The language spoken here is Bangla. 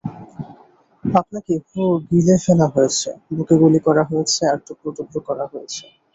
আপনাকে পুরো গিলে ফেলা হয়েছে, বুকে গুলি করা হয়েছে আর টুকরো-টুকরো করা হয়েছে।